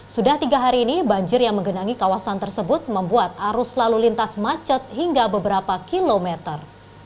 sudah tiga hari ini banjir yang menggenangi kawasan tersebut membuat arus lalu lintas macet hingga beberapa kilometer